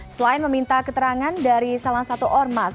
selain meminta keterangan dari salah satu ormas